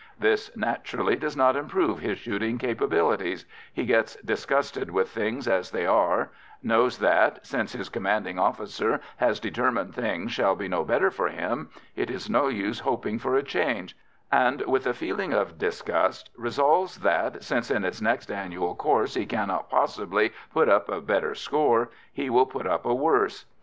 This, naturally, does not improve his shooting capabilities; he gets disgusted with things as they are, knows that, since his commanding officer has determined things shall be no better for him, it is no use hoping for a change, and with a feeling of disgust resolves that, since in his next annual course he cannot possibly put up a better score, he will put up a worse.